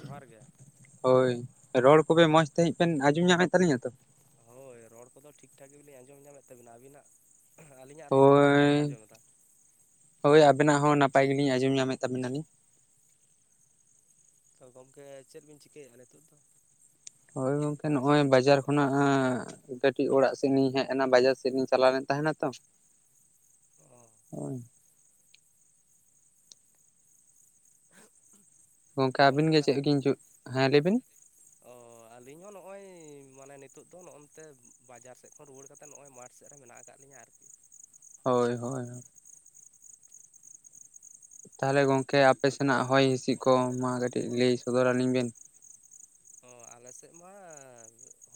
ᱡᱚᱦᱟᱨ ᱜᱮ ᱦᱳᱭ ᱨᱚᱲ ᱠᱚᱜᱮ ᱢᱚᱸᱡᱽ ᱛᱮ ᱦᱤᱡ ᱵᱮᱱ ᱟᱸᱡᱚᱢ ᱧᱟᱢᱮᱫ ᱛᱟᱹᱟᱞᱤᱧᱟ ᱛᱚ ᱦᱳᱭ ᱨᱚᱲ ᱠᱚᱫᱚ ᱴᱷᱤᱠ ᱴᱷᱟᱠ ᱜᱮᱵᱞᱤᱧ ᱟᱸᱡᱚᱢ ᱧᱟᱢᱮᱫ ᱛᱟᱹᱵᱤᱱᱟ ᱟᱵᱤᱱᱟᱜ ᱟᱹᱞᱤᱧᱟᱜ ᱨᱚᱲ ᱠᱚ ᱪᱮᱫᱠᱟ ᱵᱤᱱ ᱦᱳᱭ ᱟᱸᱡᱚᱢᱮᱫᱟ ᱦᱳᱭ ᱟᱵᱮᱱᱟᱜ ᱦᱚᱸ ᱱᱟᱯᱟᱭ ᱜᱮᱞᱤᱧ ᱟᱸᱡᱚᱢ ᱧᱟᱢᱮᱫ ᱛᱟᱵᱮᱱᱟᱞᱤᱧ ᱛᱚ ᱜᱚᱢᱠᱮ ᱪᱮᱫ ᱵᱤᱱ ᱪᱤᱠᱟᱹᱭᱮᱫᱼᱟ ᱱᱤᱛᱳᱜ ᱫᱚ ᱦᱳᱭ ᱜᱚᱢᱠᱮ ᱱᱚᱜᱼᱚᱭ ᱵᱟᱡᱟᱨ ᱠᱷᱚᱱᱟᱜ-ᱮ ᱠᱟᱹᱴᱤᱡ ᱚᱲᱟᱜ ᱥᱫ ᱤᱧ ᱦᱮᱡ ᱮᱱᱟ ᱵᱟᱡᱟᱨ ᱥᱮᱫ ᱤᱤᱧ ᱪᱟᱞᱟᱣ ᱞᱮᱱ ᱛᱟᱦᱮᱱᱟ ᱛᱚ ᱚ [inaudible] ᱜᱚᱝᱠᱮ ᱟᱵᱤᱱ ᱜᱚᱢᱠᱮ ᱜᱮ ᱛᱟ ᱪᱮᱫ ᱜᱮᱧ ᱦᱤᱡᱩᱜ ᱦᱮᱸ ᱞᱟᱹᱭ ᱵᱤᱱ ᱚ ᱟᱹᱞᱤᱧ ᱦᱚᱸ ᱱᱚᱜ-ᱚᱭ ᱢᱟᱱᱮ ᱱᱤᱛᱚᱜ ᱫᱚ ᱱᱚᱜ-ᱚᱱᱛᱮ ᱵᱟᱡᱟᱨ ᱥᱮᱫ ᱠᱷᱚᱱ ᱨᱩᱣᱟᱹᱲ ᱠᱟᱛᱮᱜ ᱱᱚᱜ ᱚᱭ ᱢᱟᱴᱷ ᱥᱮᱫ ᱨᱮ ᱢᱮᱱᱟᱜ ᱟᱠᱟᱫ ᱞᱤᱧᱟᱹ ᱟᱨᱠᱤ ᱦᱳᱭ ᱦᱳᱭ ᱛᱟᱦᱚᱞᱮ ᱜᱚᱝᱠᱮ ᱟᱯᱮ ᱥᱮᱱᱟᱜ ᱦᱚᱭ ᱦᱤᱸᱤᱥᱤᱫ ᱠᱚ ᱢᱟ ᱠᱟᱹᱴᱤᱡ ᱞᱟᱹᱭ ᱥᱚᱫᱚᱨ ᱟᱹᱞᱤᱧ ᱵᱮᱱ ᱚ ᱟᱞ ᱥᱮᱫ ᱢᱟ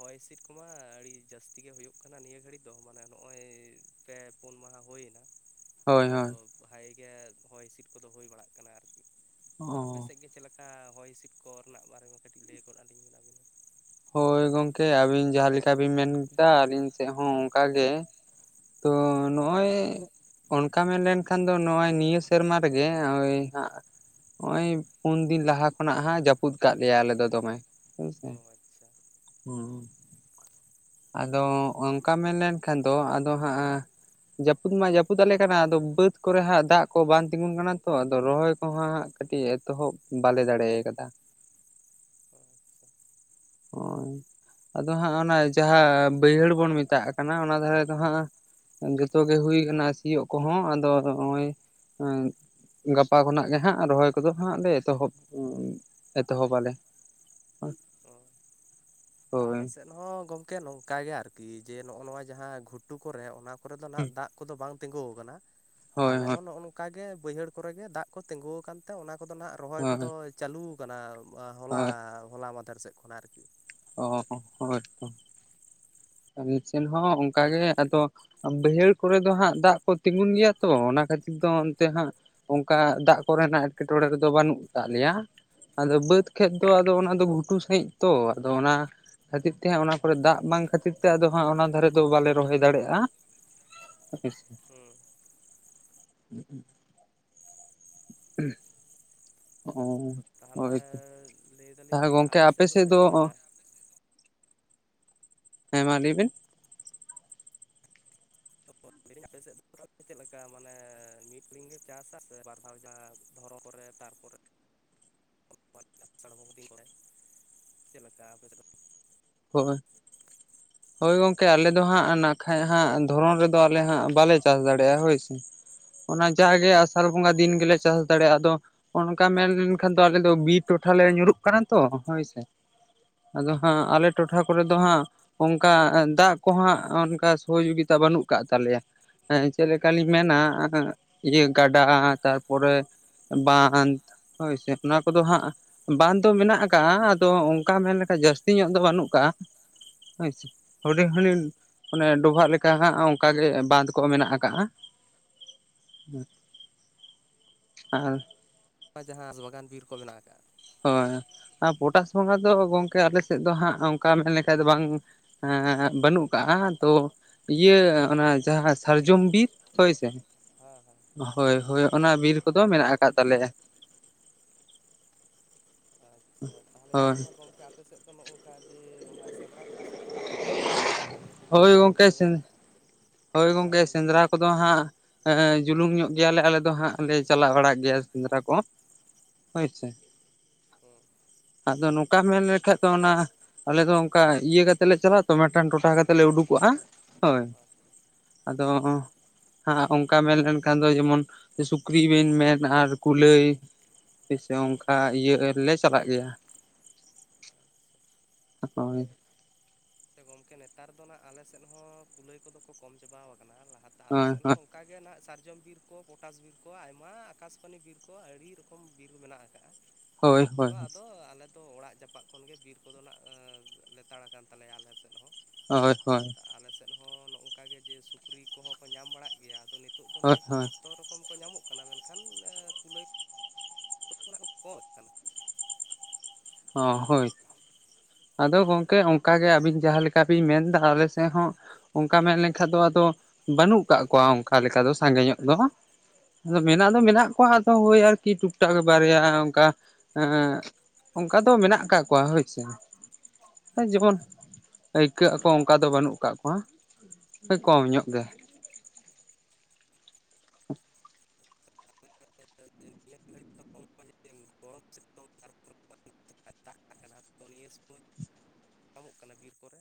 ᱦᱚᱭ ᱦᱤᱸᱤᱥᱤᱫ ᱠᱚᱢᱟ ᱟᱹᱰᱤ ᱡᱟᱹᱥᱛᱤ ᱜᱮ ᱦᱩᱭᱩᱜ ᱠᱟᱱᱟ ᱱᱤᱭᱟᱹ ᱜᱷᱟᱹᱲᱤᱡ ᱫᱚ ᱢᱟᱱᱮ ᱱᱚᱜᱚᱭ ᱯᱮ ᱯᱩᱱ ᱢᱟᱦᱟ ᱦᱳᱭᱮᱱᱟ ᱦᱳᱭ ᱛᱚ ᱦᱳᱭ ᱵᱷᱟᱜᱮ ᱜᱮ ᱦᱚᱭ ᱦᱤᱥᱤᱫ ᱠᱚᱫᱚ ᱦᱩᱭ ᱵᱟᱲᱟᱜ ᱠᱟᱱᱟ ᱟᱨᱠᱤ ᱛᱚ ᱚ ᱟᱯᱮ ᱥᱮᱫ ᱜᱮ ᱪᱮᱫ ᱞᱮᱠᱟ ᱦᱚᱭ ᱦᱤᱸᱥᱤᱫ ᱠᱚ ᱨᱮᱱᱟᱜ ᱵᱟᱨᱮ ᱢᱟ ᱠᱟᱹᱴᱤᱡ ᱞᱟᱹᱭ ᱜᱚᱫ ᱟᱹᱞᱤᱧ ᱵᱮᱱ ᱟᱹᱵᱤᱱ ᱦᱚᱸ ᱦᱳᱭ ᱜᱚᱝᱠᱮ ᱟᱹᱵᱤᱱ ᱡᱟᱦᱟᱸ ᱞᱮᱠᱟ ᱵᱤᱱ ᱢᱮᱱᱫᱟ ᱟᱹᱞᱤᱧ ᱥᱮᱫ ᱦᱚᱸ ᱚᱱᱠᱟ ᱜᱮ ᱛᱚ ᱱᱚᱜᱼᱚᱭ ᱚᱱᱠᱟ ᱢᱮᱱ ᱞᱮᱱᱠᱷᱟᱱ ᱫᱚ ᱱᱚᱜᱼᱚᱭ ᱱᱤᱭᱟᱹ ᱥᱮᱨᱢᱟ ᱨᱮᱜᱮ ᱳᱭ ᱦᱟᱜ ᱱᱚᱜᱼᱚᱭ ᱯᱩᱱ ᱫᱤᱱ ᱞᱟᱦᱟ ᱠᱷᱚᱱᱟᱜ ᱦᱟᱸᱜ ᱡᱟᱹᱯᱩᱫ ᱠᱟᱜ ᱞᱮᱭᱟ ᱟᱞᱮ ᱫᱚ ᱫᱚᱢᱮ ᱦᱮᱸᱥᱮ ᱚ ᱟᱪᱪᱷᱟ ᱦᱩᱸ ᱟᱫᱚ ᱚᱱᱠᱟ ᱢᱮᱱ ᱞᱮᱱᱠᱷᱟᱱ ᱫᱚ ᱟᱫᱚ ᱦᱟᱸᱜ ᱡᱟᱹᱯᱩᱫ ᱢᱟ ᱡᱟᱹᱯᱩᱫ ᱟᱞᱮ ᱠᱟᱱᱟ ᱟᱫᱚ ᱵᱟᱹᱫᱽ ᱠᱚᱨᱮ ᱦᱟᱸᱜ ᱫᱟᱜ ᱠᱚ ᱵᱟᱝ ᱛᱤᱸᱜᱩᱱ ᱠᱟᱱᱟ ᱛᱚ ᱟᱫᱚ ᱨᱚᱦᱚᱭ ᱠᱚᱦᱚᱸ ᱦᱟᱸᱜ ᱠᱟᱹᱴᱤᱡ ᱮᱛᱚᱦᱚᱵ ᱵᱟᱞᱮ ᱫᱟᱲᱮ ᱟᱠᱟᱫᱟ ᱚ ᱟᱪᱪᱷᱟ ᱦᱳᱭ ᱟᱫᱚ ᱦᱟᱸᱜ, ᱚᱱᱟ ᱡᱟᱦᱟᱸ ᱵᱟᱹᱭᱦᱟᱹᱲ ᱵᱚᱱ ᱢᱮᱛᱟᱜ ᱠᱟᱱᱟ ᱚᱱᱟ ᱫᱷᱟᱨᱮ ᱫᱚ ᱦᱟᱸᱜ ᱡᱚᱛᱚ ᱜᱮ ᱦᱩᱭ ᱟᱠᱟᱱᱟ ᱥᱤᱭᱳᱜ ᱠᱚᱦᱚᱸ ᱟᱫᱚ ᱱᱚᱜᱼᱚᱭ ᱜᱟᱯᱟ ᱠᱷᱚᱱᱟᱜ ᱜᱮ ᱦᱟᱸᱜ ᱨᱚᱦᱚᱭ ᱠᱚᱫᱚ ᱦᱟᱸᱜ ᱞᱮ ᱮᱛᱚᱦᱚᱵ ᱮᱛᱚᱦᱚᱵ ᱟᱞᱮ ᱚ ᱛᱚ ᱟᱞᱮ ᱥᱮᱫ ᱦᱚᱸ ᱜᱚᱢᱠᱮ ᱱᱚᱝᱠᱟ ᱜᱮ ᱟᱨᱠᱤ ᱡᱮ ᱱᱚᱜᱼᱚ ᱱᱚᱣᱟ ᱡᱟᱦᱟᱸ ᱜᱷᱩᱴᱩ ᱠᱚᱨᱮ ᱚᱱᱟ ᱠᱚᱨᱮ ᱫᱚ ᱟᱜ ᱫᱟᱜ ᱠᱚᱫᱚ ᱵᱟᱝ ᱛᱤᱸᱜᱩ ᱟᱠᱟᱱᱟ ᱦᱳᱭ ᱟᱞᱮ ᱦᱳᱭ ᱦᱚᱸ ᱱᱚᱜᱼᱚᱝ ᱚᱱᱠᱟ ᱜᱮ ᱵᱟᱹᱭᱦᱟᱹᱲ ᱠᱚᱨᱮ ᱜᱮ ᱫᱟᱜ ᱠᱚ ᱛᱤᱸᱜᱩ ᱟᱠᱟᱱ ᱛᱮ ᱚᱱᱟ ᱠᱚᱫᱚ ᱟᱜ ᱨᱚᱦᱚᱭ ᱠᱚᱫᱚ ᱦᱳᱭ ᱪᱟᱹᱞᱩ ᱟᱠᱟᱱᱟ ᱦᱚᱞᱟ ᱦᱳᱭ ᱦᱚᱞᱟ ᱢᱟᱫᱷᱮᱨ ᱥᱮᱫ ᱠᱷᱚᱱᱟᱜ ᱟᱨᱠᱤ ᱚ ᱦᱳᱭᱛᱚ ᱟᱞᱮ ᱥᱮᱱ ᱦᱚᱸ ᱚᱱᱠᱟᱜ ᱜᱮ ᱟᱫᱚ ᱵᱟᱹᱭᱦᱟᱹᱲ ᱠᱚᱨᱮ ᱫᱚ ᱦᱟᱸᱜ ᱫᱟᱜ ᱠᱚ ᱛᱤᱸᱜᱩᱱ ᱜᱮᱭᱟ ᱛᱚ ᱚᱱᱟ ᱠᱷᱟᱹᱛᱤᱨ ᱫᱚ ᱚᱱᱛᱮ ᱦᱟᱸᱜ ᱚᱱᱠᱟ ᱫᱟᱜ ᱠᱚᱨᱮᱱᱟᱜ ᱮᱸᱴᱠᱮᱴᱚᱬᱮ ᱨᱮᱫᱚ ᱵᱟᱹᱱᱩᱜ ᱟᱠᱟᱜ ᱞᱮᱭᱟ ᱟᱫᱚ ᱵᱟᱹᱫᱽ ᱠᱷᱮᱛ ᱫᱚ ᱟᱫᱚ ᱚᱱᱟᱫᱚ ᱜᱷᱩᱴᱩ ᱥᱟᱺᱦᱤᱡ ᱛᱚ ᱟᱫᱚ ᱚᱱᱟ ᱠᱷᱟᱹᱛᱤᱨ ᱛᱮ ᱚᱱᱟ ᱠᱚᱨᱮ ᱫᱟᱜ ᱵᱟᱝ ᱠᱷᱟᱹᱛᱤᱨ ᱛᱮ ᱟᱫᱚ ᱦᱟᱸᱜ ᱚᱱᱟ ᱫᱷᱟᱨᱮ ᱫᱚ ᱵᱟᱞᱮ ᱨᱚᱦᱚᱭ ᱫᱟᱲᱮᱭᱟᱜᱼᱟ, [inaudible] ᱦᱮᱸ ᱩᱦᱩᱸᱜ [inaudible] ᱚ ᱛᱟᱦᱚᱞᱮ ᱦᱳᱭ ᱛᱚ ᱞᱟᱹᱭᱫᱟᱞᱤᱧ ᱡᱮ ᱟᱯᱮ ᱥᱮᱫ ᱫᱚ ᱛᱟᱦᱚᱞᱮ ᱪᱮᱫ ᱞᱮᱠᱟ ᱦᱮᱸ ᱢᱟ ᱞᱟᱹᱭ ᱵᱤᱱ ᱞᱟᱹᱭ ᱫᱤᱧ ᱟᱯᱮ ᱥᱮᱫ ᱫᱚ ᱪᱮᱫ ᱞᱮᱠᱟ ᱢᱟᱱᱮ ᱢᱤᱫ ᱞᱤᱝ ᱪᱟᱥ ᱟᱥᱮ ᱵᱟᱨ ᱫᱷᱟᱣ ᱡᱟᱦᱟ ᱫᱷᱚᱨᱚ ᱠᱚᱨᱮ ᱛᱟᱨ ᱯᱚᱨᱮ ᱟᱥᱟᱲ ᱵᱚᱸᱜᱟ ᱫᱤᱱ ᱠᱚᱨᱮ ᱪᱮᱫ ᱞᱮᱠᱟ ᱟᱯᱮ ᱥᱮᱫ ᱫᱚ ᱾ ᱦᱳᱭ [inaudible] ᱦᱳᱭ ᱜᱚᱝᱠᱮ ᱟᱞᱮ ᱫᱚ ᱦᱟᱸᱜ ᱱᱟ ᱠᱷᱟᱱᱡ ᱦᱜ ᱫᱷᱚᱨᱚᱱ ᱨᱮᱫᱚ ᱟᱞᱮ ᱦᱟᱸᱜ ᱵᱟᱞᱮ ᱪᱟᱥ ᱫᱟᱲᱮᱭᱟᱜ-ᱟ ᱦᱳᱭ ᱥᱮ ᱾ ᱚᱱᱟ ᱡᱟᱜᱮ ᱟᱥᱟᱲ ᱵᱚᱸᱜᱟ ᱫᱤᱱ ᱜᱮᱞᱮ ᱪᱟᱥ ᱫᱟᱲᱮᱭᱟᱜ-ᱟ ᱟᱫᱚ ᱚᱱᱠᱟ ᱢᱮᱱ ᱞᱮᱱᱠᱷᱟᱱ ᱫᱚ ᱟᱞᱮ ᱫᱚ ᱵᱤᱨ ᱴᱚᱴᱷᱟ ᱞᱮ ᱧᱩᱨᱩᱜ ᱠᱟᱱᱟ ᱛᱚ ᱦᱳᱭ ᱥᱮ ᱾ ᱟᱫᱚ ᱦᱟᱸᱜ ᱟᱞᱮ ᱴᱚᱴᱷᱟ ᱠᱚᱨᱮ ᱫᱚ ᱦᱟᱸᱜ ᱚᱱᱠᱟ ᱫᱟᱜ ᱠᱚᱦᱟᱸ ᱚᱱᱠᱟ ᱥᱚᱦᱚᱡ ᱜᱤᱛᱟ ᱵᱟᱹᱱᱩᱜ ᱠᱟᱜ ᱛᱟᱞᱮᱭᱟ ᱦᱮᱸ ᱪᱮᱫ ᱞᱮᱠᱟ ᱞᱤᱧ ᱢᱮᱱᱟ ᱦᱮᱸ ᱤᱭᱟᱹ ᱜᱟᱰᱟ ᱛᱟᱨᱯᱚᱨᱮ ᱵᱟᱸᱱᱫᱷ ᱦᱚᱭ ᱥᱮ ᱚᱱᱟ ᱠᱚᱫᱚ ᱦᱟᱸᱜ ᱵᱟᱸᱫ ᱫᱚ ᱢᱮᱱᱟᱜ ᱟᱠᱟᱜᱼᱟ ᱟᱫᱚ ᱚᱱᱠᱟ ᱢᱮᱱᱞᱮᱠᱷᱟ ᱡᱟᱹᱥᱛᱤ ᱧᱚᱜ ᱫᱚ ᱵᱟᱹᱱᱩᱜ-ᱟ᱾ ᱠᱟᱜ-ᱟ ᱦᱳᱭ ᱥᱮ ᱾ ᱦᱩᱰᱤᱧ - ᱦᱩᱰᱤᱧ ᱚᱱᱮ ᱰᱚᱵᱷᱟᱜ ᱞᱮᱠᱟ ᱦᱟᱸᱜ ᱚᱱᱠᱟᱜ ᱜᱮ ᱵᱟᱸᱫᱷ ᱠᱚ ᱢᱮᱱᱟᱜ ᱟᱠᱟᱜ-ᱟ ᱾ ᱟᱨ ᱡᱟᱦᱟᱸ ᱵᱟᱜᱟᱱ ᱵᱤᱨ ᱠᱚ ᱢᱮᱱᱟᱜ ᱟᱠᱟᱜ-ᱟ ᱾ ᱦᱚᱭ ᱟᱨ ᱯᱚᱴᱟᱥ ᱯᱚᱸᱜᱟ ᱫᱚ ᱜᱚᱝᱠᱮ ᱟᱞᱮ ᱥᱮᱫ ᱫᱚ ᱦᱟᱸᱜ ᱚᱱᱠᱟ ᱢᱮᱱ ᱞᱮᱠᱷᱟᱱ ᱫᱚ ᱵᱟᱝ ᱦᱮᱸ ᱵᱟᱹᱱᱩᱜ ᱠᱟᱜ-ᱟ ᱛᱚ ᱤᱭᱟᱹ ᱚᱱᱟ ᱡᱟᱦᱟᱸ ᱥᱟᱨᱡᱚᱢ ᱵᱤᱨ ᱦᱚᱭᱥᱮ ᱾ ᱦᱮᱸ ᱦᱮᱸ ᱦᱳᱭ ᱦᱳᱭ ᱚᱱᱟ ᱵᱤᱨ ᱠᱚᱫᱚ ᱢᱮᱱᱟᱜ ᱟᱠᱟᱫ ᱛᱟᱞᱮᱭᱟ ᱾ ᱟᱪᱪᱷᱟ ᱛᱟᱦᱚᱞᱮ ᱪᱮᱫ ᱦᱳᱭ ᱞᱮᱠᱟ ᱜᱚᱝᱠᱮ ᱟᱯ ᱟᱯᱮ ᱥᱮᱫ ᱫᱚ ᱱᱚᱜ ᱱᱚᱝᱠᱟ ᱡᱮ ᱚᱱᱟ ᱥᱮᱸᱫᱽᱨᱟ ᱠᱚᱯᱮ ᱥᱮᱱ ᱵᱟᱲᱟᱜ ᱜᱮᱭᱟ ᱥᱮ ᱵᱟᱝ ᱚᱱᱟ ᱡᱟᱦᱟᱸ ᱡᱮ ᱦᱳᱭ ᱯᱚᱴᱟᱥ ᱵᱤᱨ ᱜᱚᱝᱠᱮ ᱠᱚ ᱢᱮᱱᱟᱜ ᱟᱠᱟᱫ-ᱟ ᱾ ᱦᱳᱭ ᱜᱚᱝᱠᱮ ᱥᱮᱸᱫᱽᱨᱟ ᱠᱚᱫᱚ ᱟᱫᱚ ᱦᱟᱸᱜ ᱮᱸ ᱡᱩᱞᱩᱢ ᱧᱚᱜ ᱜᱮᱭᱟᱞᱮ ᱟᱞᱮ ᱫᱚ ᱦᱟᱸᱜ ᱞᱮ ᱪᱟᱞᱟᱣ ᱵᱟᱲᱟᱜ ᱜᱮᱭᱟ ᱥᱮᱸᱫᱽᱨᱟ ᱠᱚ ᱾ ᱦᱳᱭ ᱥᱮ ᱦᱚᱸ ᱟᱫᱚ ᱱᱚᱝᱠᱟᱢ ᱢᱮᱱ ᱞᱮᱠᱷᱟ ᱫᱚ ᱚᱱᱟ ᱟᱞᱮ ᱫᱚ ᱚᱱᱠᱟ ᱤᱭᱟᱹ ᱠᱟᱛᱮᱜ ᱞᱮ ᱪᱟᱞᱟᱜ-ᱟ ᱛᱚ ᱢᱤᱫᱴᱟᱝ ᱴᱚᱴᱷᱟ ᱠᱟᱛᱮᱜ ᱞᱮ ᱩᱰᱩᱠᱚᱜ-ᱟ ᱦᱚᱭ ᱟᱪᱪᱷᱟ ᱾ ᱟᱫᱚ ᱚᱸ ᱦᱟᱸ ᱚᱱᱠᱟ ᱢᱮᱱ ᱞᱮᱱᱠᱷᱟᱱ ᱫᱚ ᱡᱮᱢᱚᱱ ᱥᱩᱠᱨᱤ ᱵᱮᱱ ᱢᱮᱱ ᱟᱨ ᱠᱩᱞᱟᱹᱭ ᱾ ᱛᱤᱥᱮ ᱚᱱᱠᱟ ᱤᱭᱟᱹᱞᱮ ᱪᱟᱞᱟᱜ ᱜᱮᱭᱟ ᱾ ᱟᱪᱪᱷᱟ ᱦᱳᱭ ᱾ ᱥᱮ ᱜᱚᱝᱠᱮ ᱱᱮᱛᱟᱨ ᱫᱚ ᱱᱟᱦᱟᱜ ᱟᱞᱮ ᱥᱮᱫ ᱦᱚᱸ ᱠᱩᱞᱟᱹᱭ ᱠᱚᱫᱚ ᱠᱚ ᱠᱚᱢ ᱪᱟᱵᱟ ᱟᱠᱟᱱᱟ ᱞᱟᱦᱟ ᱛᱮ ᱟᱞᱮ ᱦᱳᱭ ᱥᱮᱫ ᱦᱚᱸ ᱚᱱᱠᱟ ᱜᱮ ᱱᱟᱦᱟᱜ ᱥᱟᱨᱡᱚᱢ ᱵᱤᱨ ᱠᱚ ᱯᱚᱴᱟᱥ ᱵᱤᱨ ᱠᱚ ᱟᱭᱢᱟ ᱟᱠᱟᱥᱵᱟᱱᱤ ᱵᱤᱨ ᱠᱚ ᱟᱹᱰᱤ ᱨᱚᱠᱚᱢ ᱵᱤᱨ ᱢᱮᱱᱟᱜ-ᱟ ᱾ ᱟᱠᱟᱜ-ᱟ ᱦᱳᱭ ᱛᱚ ᱦᱳᱭ ᱟᱫᱚ ᱟᱞᱮ ᱫᱚ ᱚᱲᱟᱜ ᱡᱟᱯᱟᱜ ᱠᱷᱚᱱ ᱜᱮ ᱵᱤᱨ ᱠᱚᱫᱚ ᱦᱟᱸᱱᱟᱜ ᱞᱮᱛᱟᱲ ᱟᱠᱟᱱ ᱛᱟᱦᱚᱞᱮ ᱟᱞᱮ ᱥᱮᱫ ᱦᱚᱸ ᱦᱳᱭ ᱦᱳᱭ ᱾ ᱟᱞᱮ ᱥᱮᱫ ᱦᱚᱸ ᱱᱚᱜᱼᱚᱝᱠᱟ ᱜᱮ ᱡᱮ ᱥᱩᱠᱨᱤ ᱠᱚᱦᱚᱸ ᱠᱚ ᱧᱟᱢ ᱵᱟᱲᱟᱜ ᱜᱮᱭᱟ, ᱟᱫᱚ ᱱᱤᱛᱚᱜ ᱫᱚ ᱱᱚᱜ ᱦᱳᱭ ᱩᱱᱠᱩ ᱡᱷᱚᱛᱚ ᱨᱚᱠᱚᱢ ᱠᱚᱢ ᱠᱚ ᱧᱟᱢᱚᱜ ᱠᱟᱱᱟ, ᱢᱮᱱᱠᱷᱟᱱ ᱠᱩᱞᱟᱹᱭ [unintelligible] ᱠᱟᱱᱟ ᱾ ᱦᱚᱸ ᱦᱳᱭ ᱾ ᱟᱫᱚ ᱜᱚᱝᱠᱮ ᱚᱱᱠᱟᱜᱮ ᱟᱹᱵᱤᱱ ᱡᱟᱦᱟᱸ ᱞᱮᱠᱟ ᱵᱤᱱ ᱢᱮᱱ ᱮᱫᱟ ᱟᱞᱮ ᱥᱮᱫ ᱦᱚᱸ ᱚᱱᱠᱟ ᱢᱮᱱ ᱞᱮᱱᱠᱷᱟᱱ ᱫᱚ ᱟᱫᱚ ᱵᱟᱹᱱᱩᱜ ᱟᱠᱟᱫ ᱠᱚᱣᱟ, ᱚᱱᱠᱟ ᱞᱮᱠᱟ ᱫᱚ ᱥᱟᱸᱜᱮ ᱧᱚᱜ ᱫᱚ ᱾ ᱟᱫᱚ ᱢᱮᱱᱟᱜ ᱫᱚ ᱢᱮᱱᱟᱜ ᱠᱚᱣᱟ ᱟᱫᱚ ᱳᱭ ᱟᱨᱠᱤ ᱴᱩᱠ ᱴᱟᱠ ᱵᱟᱨᱭᱟ ᱚᱱᱠᱟ ᱮᱸ ᱚᱱᱠᱟ ᱫᱚ ᱢᱮᱱᱟᱜ ᱟᱠᱟᱜ ᱠᱚᱣᱟ ᱦᱳᱭ ᱥᱮ ᱾ ᱡᱮᱢᱚᱱ ᱟᱹᱭᱠᱟᱹᱜ ᱟᱠᱚ, ᱚᱱᱠᱟ ᱫᱚ ᱵᱟᱹᱱᱩᱜ ᱠᱟᱜ ᱠᱚᱣᱟ ᱾ ᱠᱚᱢ ᱧᱚᱜ ᱜᱮ ᱾ ᱟᱠᱟᱱᱟ [unintelligible] ᱠᱟᱱᱟ, ᱛᱚ ᱱᱤᱭᱟᱹ ᱥᱚᱢᱚᱭ ᱧᱟᱢᱚᱜ ᱠᱟᱱᱟ ᱵᱤᱨ ᱠᱚᱨᱮ?